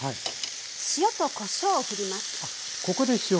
塩とこしょうをふります。